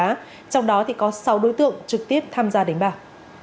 trong đó thì có sáu đối tượng trực tiếp tham gia đánh bạc